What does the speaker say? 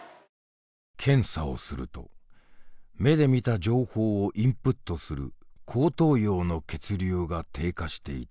検査をすると目で見た情報をインプットする後頭葉の血流が低下していた。